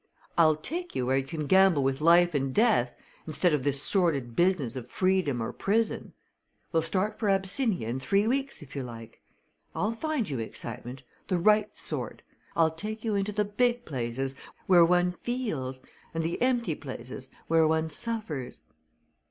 I'll take you where you can gamble with life and death instead of this sordid business of freedom or prison. We'll start for Abyssinia in three weeks if you like. I'll find you excitement the right sort. I'll take you into the big places, where one feels and the empty places, where one suffers."